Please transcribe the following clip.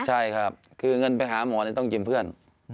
ใช่ครับคือเงินไปหาหมอต้องกินเพื่อน